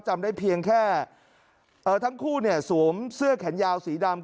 จำได้เพียงแค่ทั้งคู่เนี่ยสวมเสื้อแขนยาวสีดำ